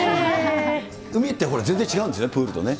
海ってほら、全然違うんですよね、プールとね。